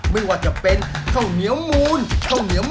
คุณแม่ผ่านบ่อยลูก